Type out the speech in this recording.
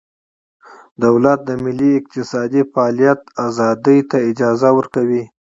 دولت د ملي اقتصادي فعالیت ازادۍ ته اجازه ورکوي